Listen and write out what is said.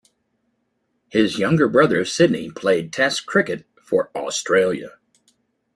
His younger brother Sydney played Test cricket for Australia.